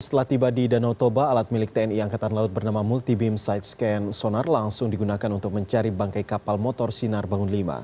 setelah tiba di danau toba alat milik tni angkatan laut bernama multi beam sight scan sonar langsung digunakan untuk mencari bangkai kapal motor sinar bangun v